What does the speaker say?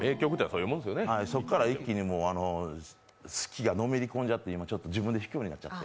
そこから一気に好きがのめり込んじゃって、ちょっと自分で弾くようになっちゃって。